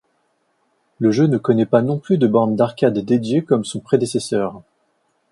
Le jeu ne connait pas non plus de borne d'arcade dédiée comme son prédécesseur.